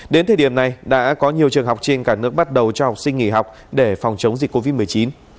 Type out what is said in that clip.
đến thời điểm này đã có nhiều trường học trên cả nước bắt đầu cho học sinh nghỉ học để phòng chống dịch covid một mươi chín